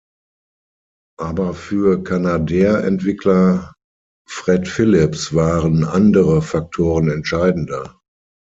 Aber für Canadair-Entwickler Fred Philips waren andere Faktoren entscheidender.